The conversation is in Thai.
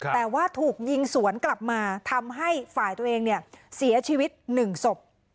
แต่ว่าถูกยิงสวนกลับมาทำให้ฝ่ายตัวเองเนี่ยเสียชีวิต๑ศพ